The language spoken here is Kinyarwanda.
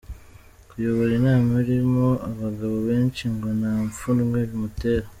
Kuyobora inama irimo abagabo benshi ngo nta pfunwe bimutera.